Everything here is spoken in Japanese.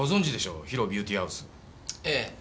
ええ。